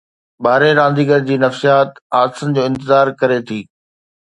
ٻارهين رانديگر جي نفسيات حادثن جو انتظار ڪري ٿي.